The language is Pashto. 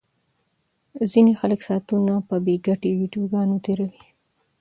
ځینې خلک ساعتونه په بې ګټې ویډیوګانو تیروي.